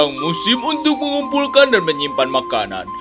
kalian butuh sepanjang musim untuk mengumpulkan dan menyimpan makanan